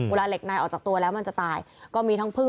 เวลาเหล็กในออกจากตัวแล้วมันจะตายก็มีทั้งพึ่ง